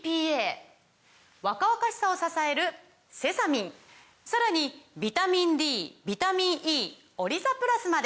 若々しさを支えるセサミンさらにビタミンＤビタミンＥオリザプラスまで！